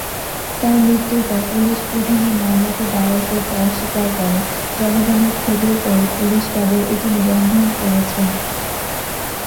তার মৃত্যুর পর পুলিশ প্রথমে মামলাটি দায়ের করতে অস্বীকার করে; জনগণের ক্ষোভের পরে পুলিশ কেবল এটি নিবন্ধন করেছে।